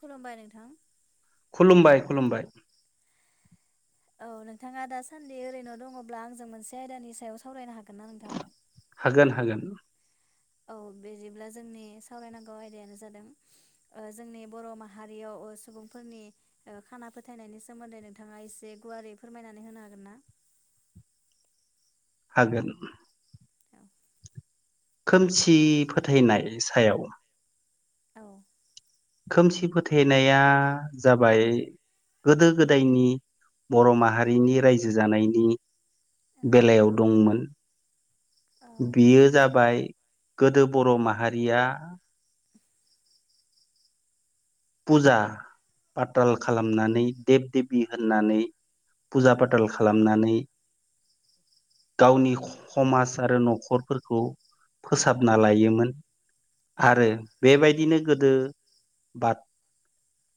खुलुमबाय नोंथां खुलुमबाय खुलुमबाय औ नोंथाङा दाासान्दि ओरैनो दङब्ला आंजों मोनसे आयदानि सायाव सावरायनो हागोन ना नोंथां हागोन हागोन औ बिदिब्ला जोंनि सावरायनांगौ आयदायानो जादों जोंनि बर' माहारियाव ओ सुबुंफोरनि ओ खाना फोथायनायनि सोमोन्दै नोंथाङा एसे गुवारै फोरमायनानै होनो हागोन ना [inaudible] हागोन औ खोमसि फोथायनाय सायाव औ खोमसि फोथायनाया जाबाय गोदो गोदायनि बर' माहारिनि रायजो जानायनि औ बेलायाव दंमोन औ बियो जाबाय गोदो बर' माहारिया फुजा पाथाल खालामनानै देब देबि होननानै औ फुजा फाथाल खालामनानै [inaudible] गावनि समाज आरो न'खरफोरखौ फोसाबना लायोमोन आरो बेबायदिनो गोदो बा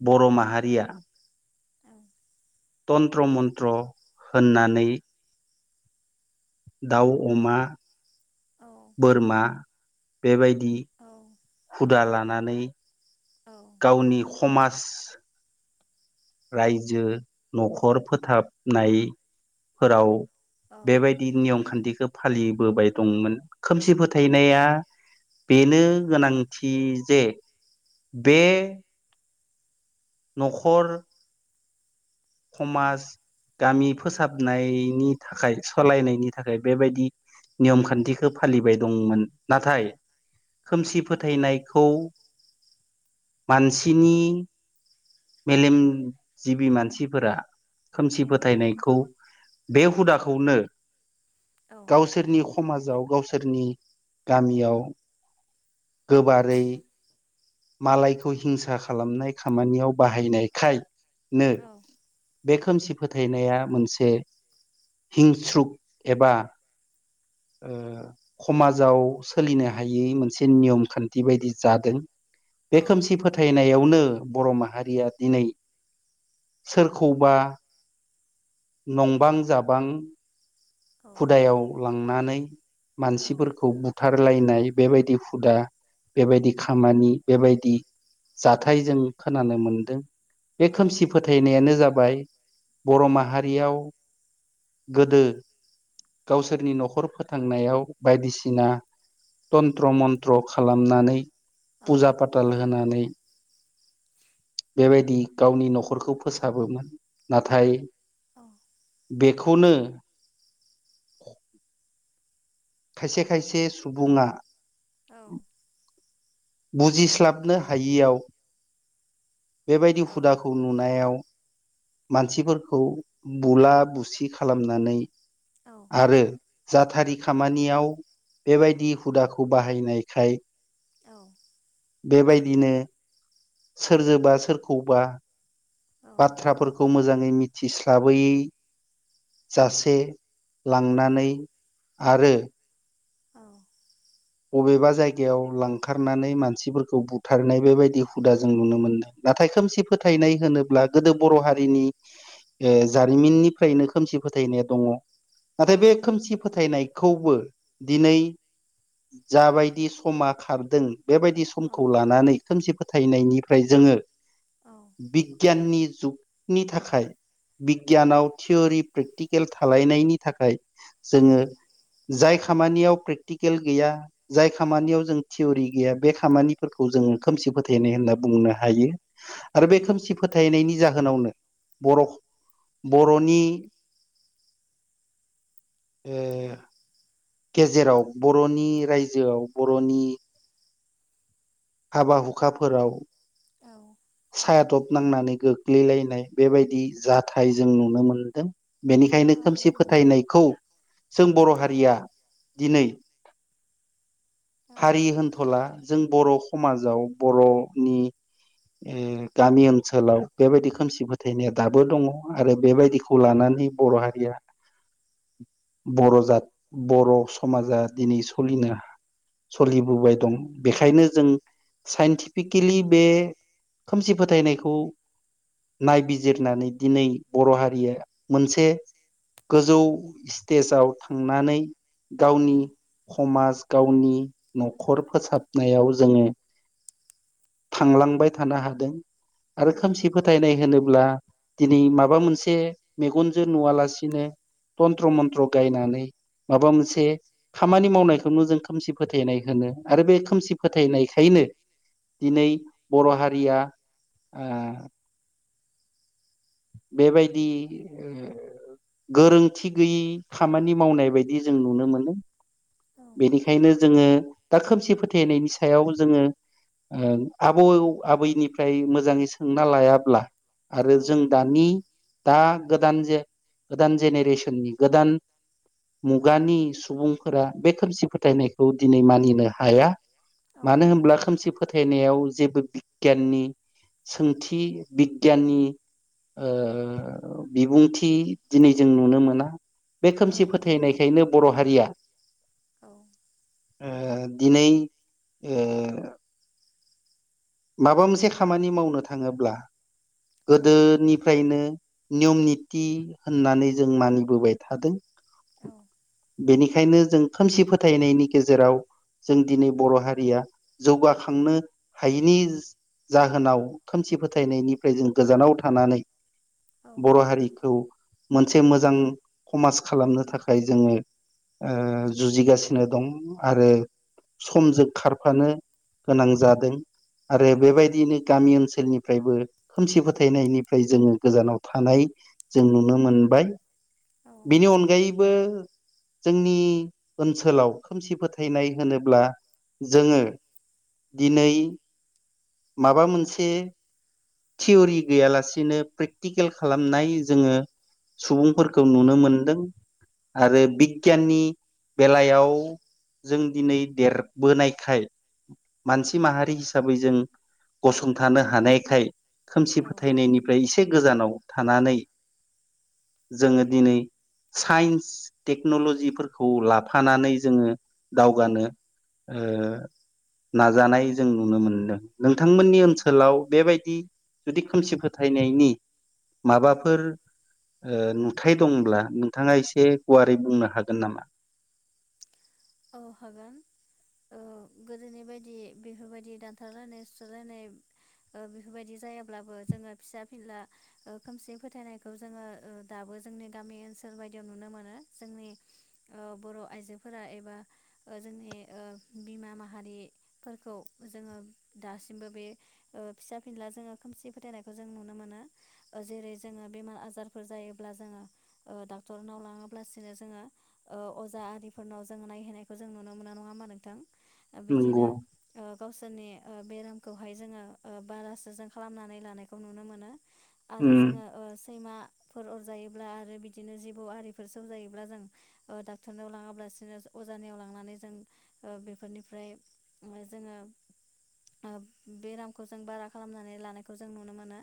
बर' माहारिया तन्त्र मन्त्र होननानै दाउ, अमा, औ बोरमा बेबायदि औ हुदा लानानै औ गावनि समाज रायजो न'खर फोथाबनायफोराव बेबायदि नियम खान्थिखौ फालिबोबाय दंमोन खोमसि फोथायनाया बेनो गोनांथि जे बे न'खर समाज गामि फोसाबनायनि थाखाय सालायनायनि थाखाय बेबायदि नियम खान्थिखौ फालिबाय दंमोन नाथाय खोमसि फोथायनायखौ मानसिनि मेलेमजिबि मानसि फोरा खोमसि औ फोथायनायखौ बे हुदाखौनो औ गावसोरनि आ समाजाव गावसोरनि गामियाव गोबारै मालायखौ हिंसा खालामनाय खामानियाव बाहायनायखायनो बे खोमसि फोथायनाया मोनसे हिंस्रुख एबा [inaudible] समाजाव सोलिनो हायै मोनसे नियम खान्थि बायदि जादों औ बे खोमसि नंगौ फोथायनायावनो बर'मा हारिया दिनै सोरखौबा नंबां जाबां औ हुदायाव लांनानै मानसिफोरखौ बुथारलायनाय बेबायदि हुदा बेबायदि खामानि बेबायदि जाथाय जों खोनानो मोनदों बे खोमसि फोथायनायानो जाबाय बर' माहारियाव गोदो गावसोरनि न'खर फोथांनायाव बायदिसिना तन्त्र मन्त्र खालामनानै फुजा फाथाल होनानै बेबायदि गावनि न'खरखौ फोसाबोमोन नाथाय औ। बेखौनो [inaudible] खायसे खायसे सुबुङा औ। बुजिस्लाबनो हायियाव बेबायदि हुदाखौ नुनायाव मानसिफोरखौ बुला बुसि खालामनानै आरो जाथारि खामानियाव बेबायदि हुदाखौ बाहायनायखाय औ। बेबायदिनो सोरजोंबा सोरखौबा बाथ्राफोरखौ मोजाङै मिथिस्लाबोयै जासे लांनानै आरो बबेबा जायगायाव लांखारनानै मानसिफोरखौ बुथारनाय बेबायदि हुदा जों नुनो मोनदों। नाथाय खोमसि फोथायनाय होनोब्ला गोदो बर' हारिनि ओ जारिमिननिफ्रायनो खोमसि फोथायनाया दङ। नाथाय बे खोमसि फोथायनायखौबो दिनै जाबायदि समा खारदों बेबायदि समखौ लानानै खोमसि फो थायनायनिफ्राय जोङो बिगियाननि जुगनि थाखाय बिगियानाव थिय'रि प्रेक्टिकेल थालायनायनि थाखाय जोङो जाय खामानियाव प्रेकटिक केल गैया जाय खामानियाव जों टिवरि गैया बे खामानिफोरखौ जों खोमसि फोथायनाय होनना बुङो। बुंनो हायो आरो बे खोमसि फोथायनायनि जाहोनावनो बर' बर'नि [inaudible] ओ गेजेराव बर'नि रायजोआव बर'नि हाबा हुखाफोराव औ सायादब नांनानै गोग्लैलायनाय बेबायदि जाथाय जों नुनो मोनदों। बेनिखायनो औ खोमसि नंगौ फोथायनायखौ जों बर' औ हारिया दिनै हारि होनथ'ला जों बर' हमाजाव बर'नि ओ [inaudible] गामि ओनसोलाव बेबायदि खोमसि फोथायनाया दाबो दङ आरो बेबायदिखौ लानानै बर' हारिया बर' जाद बर' समाजा दिनै सलिनो सोलिबोबाय दं। बेखायनो जों साइन्टिफिकेलि बे खोमसि फोथायनायखौ नायबिजिरनानै दिनै बर' हारिया मोनसे गोजौ स्टेजाव थां समाज गावनि न'खर फोसाबनायाव जोङो थांलांबाय थानो हादों आरो खोमसि फोथायनाय होनोब्ला दिनै माबा मोनसे मेगनजों नुवालासिनो औ थन्त्र मन्त्र गायनानै माबामोनसे खामानि मावनायखौनो जों खोमसि फोथायनाय होनो। आरो बे खोमसि फोथायनायखायनो दिनै बर' हारिया ओ बेबायदि ओ गोरोंथि गैयि खामानि मावनाय बादि जों नुनो मोनो बेनिखायनो जोङो दा खोमसि फोथायनायनि सायाव जोङो आबौ आबैनिफ्राय मोजाङै सोंना लायाब्ला आरो औ जों दानि दा गोदान जेनेरेसननि गोदान मुगानि सुबुंफोरा बे खोमसि फोथायनायखौ दिनै मानिनो हाया औ औ नंगौ औ मानो नंगौ औ नंगौ होनब्ला खोमसि फोथायनायाव जेबो बिगियाननि सोंथि बिगियाननि बिबुंथि दिनै जों नुनो मोना बे खोमसि फोथायनायखायनो बर' हारिया औ दिनै माबा मोनसे खामानि मावनो थाङोब्ला औ गोदोनिफ्रायनो नियम निति होननानै जों मानिबोबाय थादों औ बेनिखायनो जों खोमसि फोथायनायनि गेजेराव जों दिनै बर' हारिया जौगाखांनो हायो नि जाहोनाव खोमसि फोथायनायनिफ्राय जों गोजानाव थानानै बर' हारिखौ मोनसे मोजां हमाज खालामनो थाखाय जोङो जुजिगासिनो दं आरो समजों खारफानो गोनां जादों आरो बेबायदियनो गामि ओनसोलनिफ्रायबो खोमसि फोथायनायनिफ्राय जोङो गोजानाव थानाय जों नुनो मोनबाय बिनि अनगायै बो जोंनि ओनसोलाव खोमसि फोथायनाय होनोब्ला औ जोङो दिनै माबा मोनसे थियरि गैयालासेनो प्रेक्टिकेल खालामनाय जोङो सुबुंफोरखौ नुनो मोनदों आरो बिगियाननि बेलायाव जों दिनै देरबोनायखाय मानसि माहारि हिस हिसाबै जों गसंथानो हानायखाय खोमसि फोथायनायनिफ्राय एसे गोजानाव थानानै जोङो दिनै साइन्स टेक्नलजिफोरखौ लाफानानै जोङो दावगानो ओ नाजानाय जों नुनो मोनदों नोंथांमोननि ओनसोलाव बेबायदि जुदि खोमसि फोथायनायनि माबाफोर ओ नुथाय दंब्ला नोंथाङा एसे गुवारै बुंनो हागोन नामा अ हागोन औ गोदोनि बायदि बेफोरबायदि दानथारलायनाय सुथारलायनाय ओ बेफोरबायदि जायाब्लाबो जोङो फिसा फिनला खोमसि फोथायनायखौ जोङो ओ दाबो जोंनि गामि ओनसोल बायदियाव नुनो मोनो जोंनि ओ बर' आइजोफोरा एबा ओ जोंनि ओ बिमा माहारिफोरखौ जोङो दासिमबो बे ओ फिसा फिनला जोङो खोमसि फोथायनायखौ जों नुनो मोनो जेरै जोङो बेमार आजारफोर जायो जायोब्ला जोङो ओ दाक्टरनाव लाङाब्लासिनो ओ जोङो अजा आरिफोरनाव नायहैनाय खौ जोङो नायखौ जों नुनो मोनो नङा होमबा नोंथां बिदिनो नंगौ गावसोरनि ओ बेरामखौहाय जोङो बारासो जों खालामनानै लानायखौ नुनो मोनो आरो उम जोङो ओ‌ सैमाफोर अर जायोब्ला आरो बिदिनो जिबौ आरि सौजायोब्ला जों डाक्टरनियाव लाङाब्लासिनो अजा अजानियाव लांनानै जों बेफोरनिफ्राय जोङो ओ बेरामखौ जों बारा खालामनानै लानायखौ जों नुनो मोनो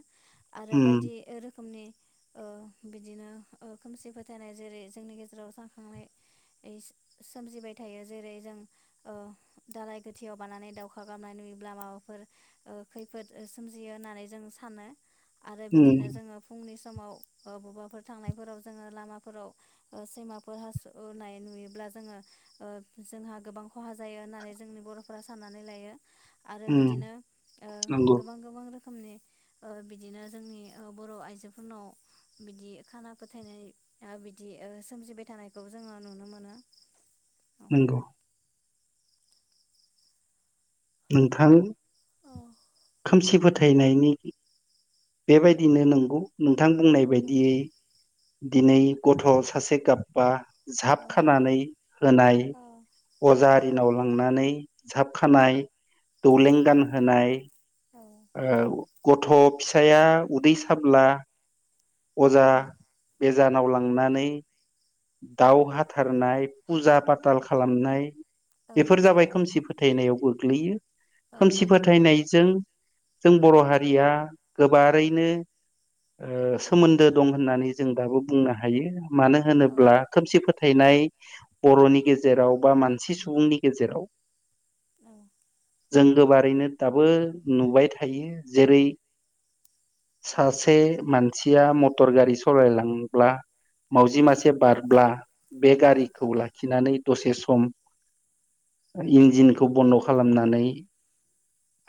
आरो उम बायदि रोखोमनि ओ बिदिनो ओह खोमसि फोथायनाय जेरै जोंनि गेजेराव जाखांनाय एइस सोमजिबाय थायो जेरै जों ओ दालाय गोथियाव बानानै दावखा गारनाय नुयोब्ला माबाफोर ओ खैफोद सोमजियो होननानै जों सानो आरो बिदिनो उम जोङो फुंनि समाव ओ बबेबाफोर थांनायफोराव जोङो लामाफोराव सैमाफोर हासुनाय नुयोब्ला जोङो ओ जोंहा गोबां खहा जायो होननानै जोंनि बरफोरा साननानै लायो आरो उम बिदिनो ओ नंगौ गोबां गोबां रोखोमनि ओ बिदिनो जोंनि‌ ओ बर आइजोफोरनाव बिदि खाना फोथायनाय बिदि ओ सोमजिबाय थानायखौ जोङो नुनो मोनो औ। नंगौ नोंथां औ खोमसि फोथायनायनि बेबायदिनो नंगौ नोंथां बुंनाय औ बायदियै दिनै गथ सासे गाबबा जाब औ खानानै होनाय अजा आरिनाव लांनानै जाबखानाय औ। दौलें गानहोनाय ओ गथ‌ फिसाया उदै साब्ला अजा औ बेजानाव लांनानै दाव हाथारनाय फुजा पाताल खालामनाय औ बेफोर जाबाय नंगौ। खोमसि फोथायनायाव गोग्लैयो औ खोमसि नंगौ फोथायनायजों जों बर हारिया गोबारैनो ओ सोमोन्दो दं होननानै जों दाबो बुंनो हायो मानो औ। होनोब्ला अब्ला खोमसि फोथायनाय बरनि गेजेराव बा मानसि सुबुंनि गेजेराव औ जों गोबारैनो दाबो नुबाय थायो जेरै सासे मानसिया मटर गारि सलायलांब्ला औ। मावजि मासे बारब्ला बे औ गारिखौ लाखिनानै दसे सम। इन्जिनखौ बन्द' खालामनानै।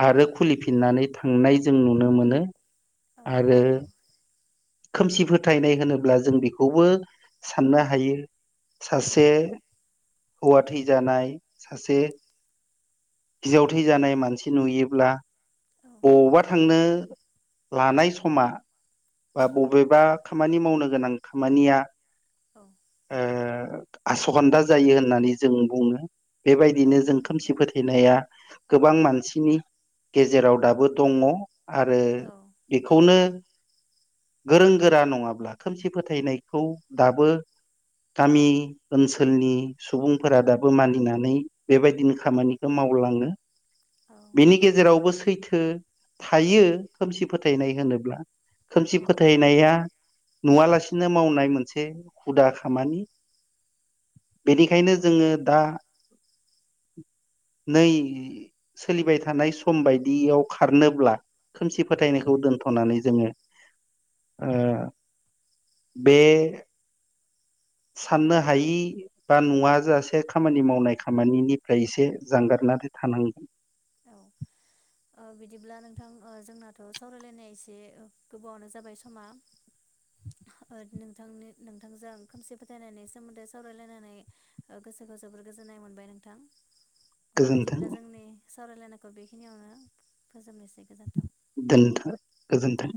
आरो खुलिफिननानै थांनाय जों नुनो मोनो। औ आरो। नंगौ खोमसि फोथायनाय होनोब्ला जों बेखौबो साननो हायो। औ सासे हौवा थैजानाय सासे। हिनजाव थैजानाय मानसि नुयोब्ला। औ बबावबा थांनो लानाय समा बा औ। बबेबा। खामानि मावनो गोनां खामानिया औ ओ। आसखान्दा जायो होननानै जों बुङो औ बेबायदिनो जों खोमसि नंगौ फोथायनाया। गोबां मानसिनि गेजेराव दाबो दङ। आरो औ बेखौनो। गोरों गोरा नङाब्ला खोमसि फोथायनायखौ दाबो। गामि ओनसोलनि सुबुंफोरा दाबो मानिनानै बेबायदिनो खामानिखौ माव। मावलाङो। औ बेनि नंगौ गेजेरावबो सैथो थायो खोमसि फोथायनाय होनोब्ला। खोमसि औ फोथायनाया। नुवालासिनो मावनाय मोनसे हुदा खामानि। बेनिखायनो औ जोङो दा। [inaudible] [unintelligible] नै सोलिबाय थानाय सम बायदियाव खारनोब्ला। खोमसि फोथायनायखौ दोनथ'नानै। जोङो ओ बे। साननो हायि बा नुवा जासे खामानि मावनाय खामानिनिफ्राय एसे जानगार। नाथाय थानांगोव। औ। बिदिब्ला नोंथां जोंनाथ' सावरायलायनाया एसे गोबावावनो जाबाय समा। ओ [inaudible] नोंथांनि नोंथांजों खोमसि फोथायनायनि सोमोन्दै सावरायलायनानै गोसोखौ जोबोर गोजोननाय मोन मोनबाय नोंथां गोजोन्थों बिदिब्ला जोंनि सावरायलायनायखौ बेखिनियावनो फोजोबनोसै। गोजोन्थों। दोनथ गोजोनथों।